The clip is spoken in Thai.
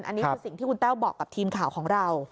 อันนี้คือสิ่งที่คุณแต้วบอกกับทีมข่าวของเรา